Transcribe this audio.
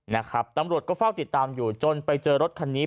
นะครับตำรวจก็เฝ้าติดตามอยู่จนไปเจอรถคันนี้